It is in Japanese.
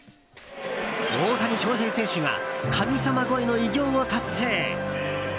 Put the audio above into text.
大谷翔平選手が神様超えの偉業を達成。